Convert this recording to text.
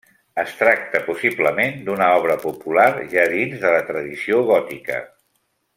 Es tracta possiblement d'una obra popular ja dins de la tradició gòtica.